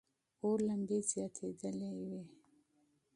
اور لمبې زیاتېدلې وې.